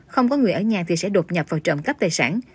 không có người ở nhà thì sẽ đột nhập vào trộm cắp tài sản